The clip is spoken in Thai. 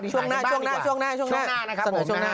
ช่วงหน้าส่วนหน้านะครับผม